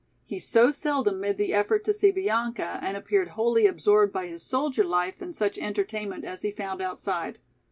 He so seldom made the effort to see Bianca and appeared wholly absorbed by his soldier life and such entertainment as he found outside.